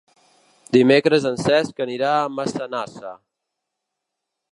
Dimecres en Cesc anirà a Massanassa.